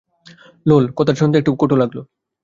লোলা, কথাটা শুনতে একটু কটু লাগলো।